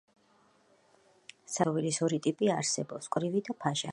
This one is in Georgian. საკუთრივ შემაერთებელი ქსოვილის ორი ტიპი არსებობს: მკვრივი და ფაშარი.